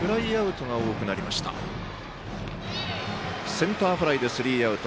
センターフライでスリーアウト。